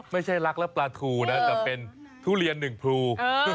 ไม่ใช่รักและปลาทูนะแต่เป็นทุเรียนหนึ่งพลู